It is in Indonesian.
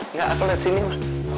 nggak aku lihat sini ma